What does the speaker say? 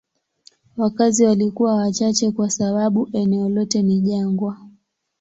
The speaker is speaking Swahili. Wakazi walikuwa wachache kwa sababu eneo lote ni jangwa.